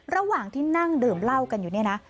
ระหว่างที่นั่งดื่มเหล้ากันอยู่เนี่ยนะ